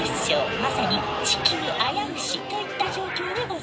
まさに地球あやうしといった状況でござあます。